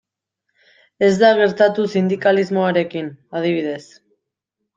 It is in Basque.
Ez da gertatu sindikalismoarekin, adibidez.